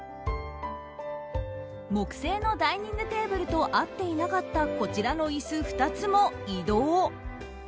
木製のダイニングテーブルと合っていなかったこちらの椅子２つも移動。